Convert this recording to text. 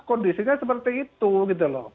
kondisinya seperti itu gitu loh